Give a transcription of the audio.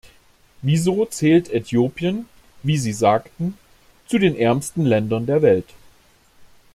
Wieso zählt Äthiopien, wie Sie sagten, zu den ärmsten Ländern der Welt?